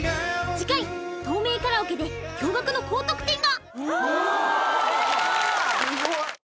次回透明カラオケで驚がくの高得点が！